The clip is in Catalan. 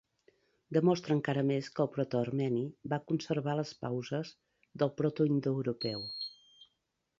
Demostra encara més que el proto-armeni va conservar les pauses del proto-indoeuropeu.